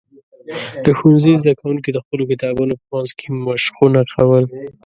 د ښوونځي زده کوونکي د خپلو کتابونو په منځ کې مشقونه کول.